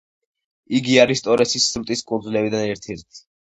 იგი არის ტორესის სრუტის კუნძულებიდან ერთ-ერთი.